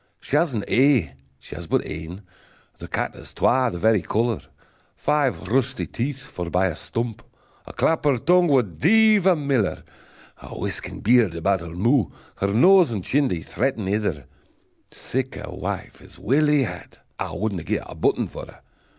She has an e'e, she has but ane, The cat has twa the very colour; Five rusty teeth, forbye a stump, A clapper tongue wad deave a miller: A whiskin beard about her mou', Her nose and chin they threaten ither; Sic a wife as Willie had, I wadna gie a button for her!